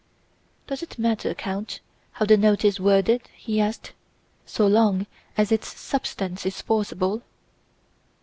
"Does it matter, Count, how the Note is worded," he asked, "so long as its substance is forcible?"